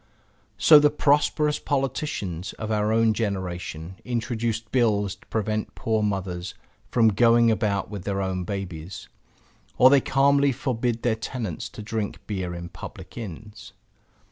So the prosperous politicians of our own generation introduce bills to prevent poor mothers from going about with their own babies; or they calmly forbid their tenants to drink beer in public inns.